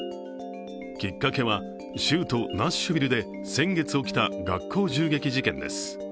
きっかけは、州都ナッシュビルで先月起きた学校襲撃事件です。